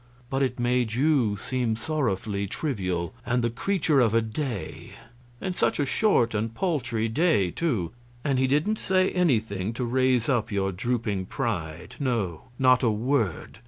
But it made you seem sorrowfully trivial, and the creature of a day, and such a short and paltry day, too. And he didn't say anything to raise up your drooping pride no, not a word.